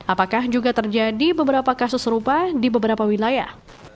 apakah juga terjadi beberapa kasus serupa di beberapa wilayah